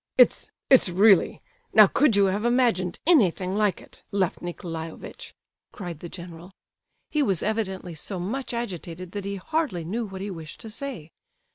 "It's—it's really—now could you have imagined anything like it, Lef Nicolaievitch?" cried the general. He was evidently so much agitated that he hardly knew what he wished to say.